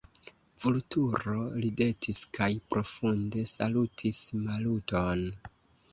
Vulturo ridetis kaj profunde salutis Maluton.